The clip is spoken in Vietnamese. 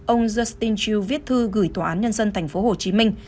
ông justin chu viết thư gửi tòa án nhân dân tp hcm